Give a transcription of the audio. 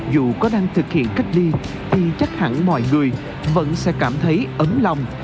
dù có đang thực hiện cách ly thì chắc hẳn mọi người vẫn sẽ cảm thấy ấm lòng